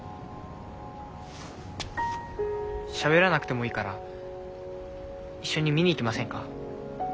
しゃべらなくてもいいから一緒に見に行きませんか？